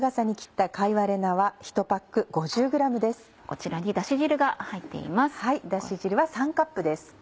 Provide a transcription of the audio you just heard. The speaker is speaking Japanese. こちらにダシ汁が入っています。